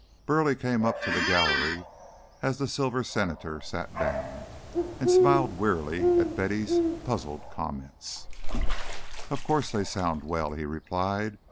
Burleigh came up to the gallery as the Silver Senator sat down, and smiled wearily at Betty's puzzled comments. "Of course they sound well," he replied.